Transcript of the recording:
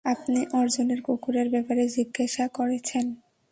আপনি অর্জুনের কুকুরের ব্যাপারে জিজ্ঞেসা করছেন?